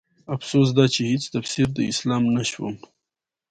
افسوس دا چې هيڅ تفسير د اسلام نه شوم